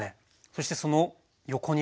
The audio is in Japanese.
そしてその横にある。